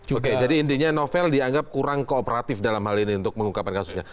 oke jadi intinya novel dianggap kurang kooperatif dalam hal ini untuk mengungkapkan kasusnya